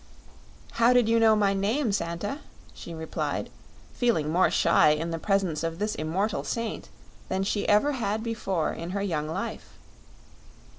"How did you know my name, Santa?" she replied, feeling more shy in the presence of this immortal saint than she ever had before in her young life.